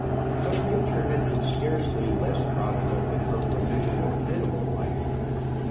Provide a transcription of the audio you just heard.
But Nature had been scarcely less prodigal in her provision of animal life.